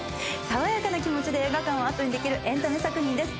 爽やかな気持ちで映画館を後にできるエンタメ作品です。